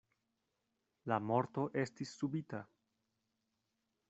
La morto estis subita.